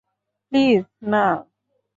Please, না।